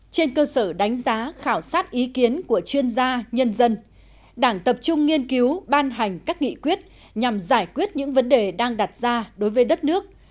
trên cơ sở đánh giá khảo sát ý kiến của chuyên gia nhân dân đảng tập trung nghiên cứu ban hành các nghị quyết nhằm giải quyết những vấn đề đang đặt ra đối với đất nước